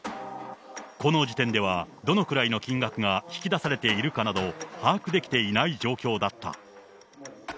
この時点では、どのくらいの金額が引き出されているかなど、把握できていない状況だった。